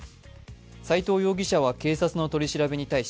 斎藤容疑者は警察の取り調べに対し